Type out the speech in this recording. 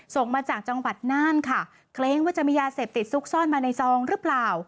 ส่งมาจากจังหวัดน่านค่ะเกรงว่าจะมียาเสพติดซุกซ่อนมาในซองหรือเปล่า